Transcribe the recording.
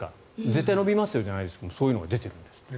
絶対に延びますよというわけではないですがそういうのが出ているんですって。